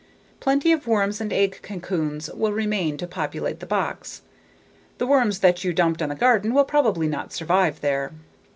Plenty of worms and egg cocoons will remain to populate the box. The worms that you dumped on the garden will probably not survive there.